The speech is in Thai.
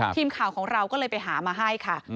ทีมข่าวของเราก็เลยไปหามาให้ค่ะ